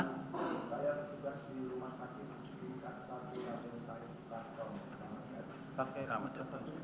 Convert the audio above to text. di rumah sakit